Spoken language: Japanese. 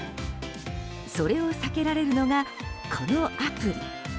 それを避けられるのがこのアプリ。